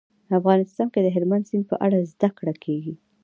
په افغانستان کې د هلمند سیند په اړه زده کړه کېږي.